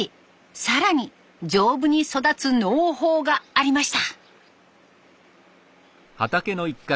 更に丈夫に育つ農法がありました。